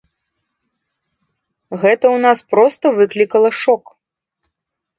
Гэта ў нас проста выклікала шок.